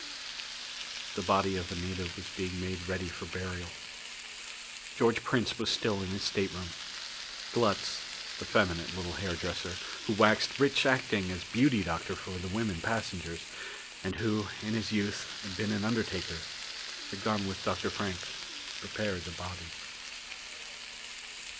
The body of Anita was being made ready for burial. George Prince was still in his stateroom. Glutz, effeminate little hairdresser, who waxed rich acting as beauty doctor for the women passengers, and who, in his youth, had been an undertaker, had gone with Dr. Frank to prepare the body.